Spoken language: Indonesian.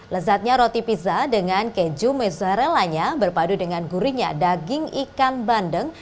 lezatnya roti pizza dengan keju mozzarellanya berpadu dengan gurinya daging ikan bandeng